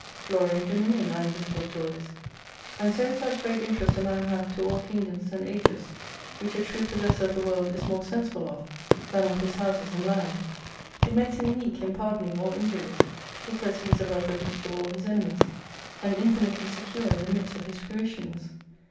Glory and Dominion are invisible joys. And so is that great interest a man hath to all Kingdoms and Ages, which a true possessor of the World is more sensible of, than of his houses and lands. It makes him meek in pardoning all injuries, because he is above the reach of all his enemies : and infinitely secure in the midst of his fruitions.